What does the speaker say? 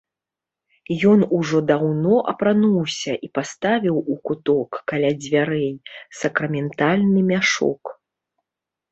Ён ужо даўно апрануўся і паставіў у куток каля дзвярэй сакраментальны мяшок.